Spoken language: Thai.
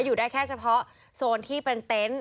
อยู่ได้แค่เฉพาะโซนที่เป็นเต็นต์